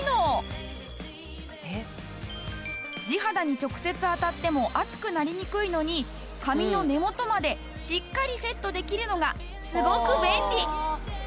地肌に直接当たっても熱くなりにくいのに髪の根元までしっかりセットできるのがすごく便利。